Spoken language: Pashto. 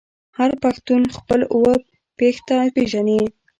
هر پښتون خپل اوه پيښته پیژني.